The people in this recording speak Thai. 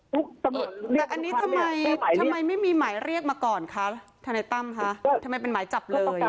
แต่อันนี้ทำไมทำไมไม่มีหมายเรียกมาก่อนคะทนายตั้มคะทำไมเป็นหมายจับเลย